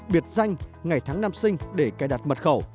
biệt danh ngày tháng năm sinh để cài đặt mật khẩu